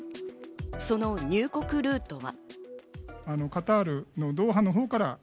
その入国ルートは。